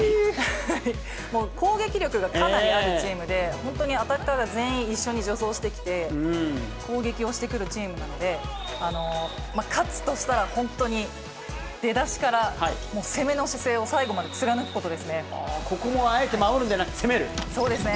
もう攻撃力がかなりあるチームで、本当に当たったら全員一緒に助走してきて、攻撃をしてくるチームなので、勝つとしたら、本当に、出だしから、もう攻めの姿勢を最ここもあえて、守るんじゃなそうですね。